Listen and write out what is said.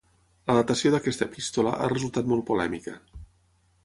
La datació d'aquesta epístola ha resultat molt polèmica.